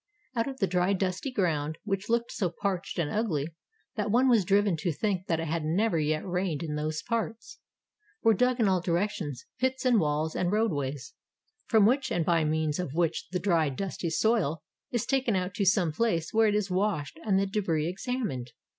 Out of the dry dusty ground, which looked so parched and ugly that one was driven to think that it had never yet rained in those parts, were dug in all directions pits and walls and road ways, from which and by means of which the dry dusty soil is taken out to some place where it is washed and the debris examined.